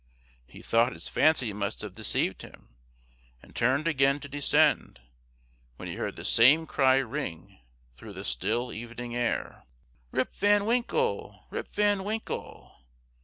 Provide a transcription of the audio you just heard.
He thought his fancy must have deceived him, and turned again to descend, when he heard the same cry ring through the still evening air, "Rip Van Winkle! Rip Van Winkle!"